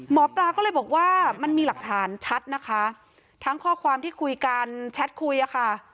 หมอปลาก็เลยบอกว่ามันมีหลักฐานชัดนะคะทั้งข้อความที่คุยกันแชทคุยอะค่ะ